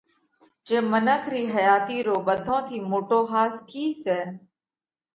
جي منک رِي حياتِي رو ٻڌون ٿِي موٽو ۿاس ڪِي سئہ؟